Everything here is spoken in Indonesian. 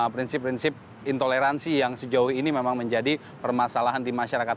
prinsip prinsip intoleransi yang sejauh ini memang menjadi permasalahan di masyarakat